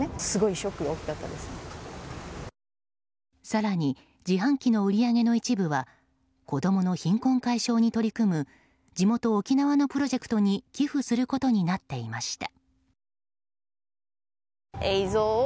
更に自販機の売り上げの一部は子供も貧困解消に取り組む地元・沖縄のプロジェクトに寄付することになっていました。